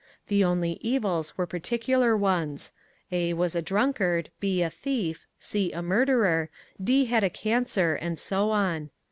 The only evils were particular I ones : A. was a drunkard, B. a thief, C. a murderer, D. had a cancer, and so on.